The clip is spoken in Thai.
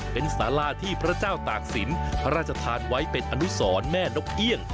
เป็นสาราที่พระเจ้าตากศิลป์พระราชทานไว้เป็นอนุสรแม่นกเอี่ยง